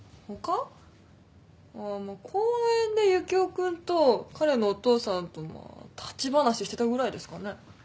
あっまあ公園でユキオ君と彼のお父さんとまあ立ち話してたぐらいですかね。